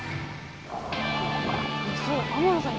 そう天野さん